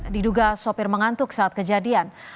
diduga sopir mengantuk saat kejadian